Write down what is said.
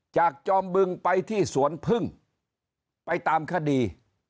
จอมบึงไปที่สวนพึ่งไปตามคดี